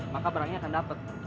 maka barangnya akan dapet